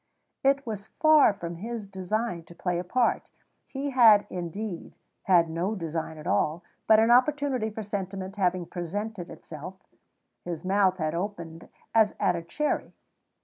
It was far from his design to play a part. He had, indeed, had no design at all, but an opportunity for sentiment having presented itself, his mouth had opened as at a cherry.